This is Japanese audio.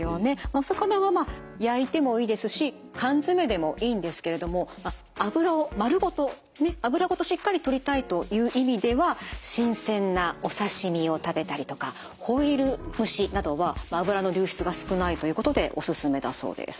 お魚はまあ焼いてもいいですし缶詰でもいいんですけれども脂を丸ごと脂ごとしっかりとりたいという意味では新鮮なお刺身を食べたりとかホイル蒸しなどは脂の流出が少ないということでおすすめだそうです。